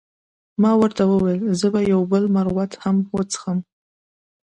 ما ورته وویل، زه به یو بل ورموت هم وڅښم.